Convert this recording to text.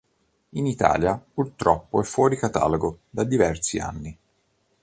In Italia purtroppo è fuori catalogo da diversi anni.